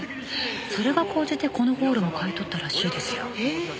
それが高じてこのホールも買い取ったらしいですよ。